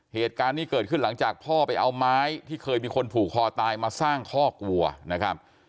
เหตุการณ์นี้เกิดขึ้นหลังจากพ่อไปเอาไม้ที่เคยมีคนผูกคอตายมาสร้างคอกวัวนะครับ